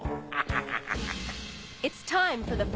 ハハハッ！